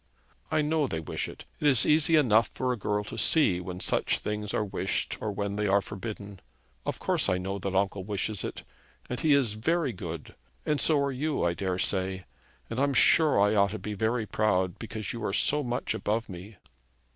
'I know they wish it. It is easy enough for a girl to see when such things are wished or when they are forbidden. Of course I know that uncle wishes it. And he is very good; and so are you, I daresay. And I'm sure I ought to be very proud, because you are so much above me.'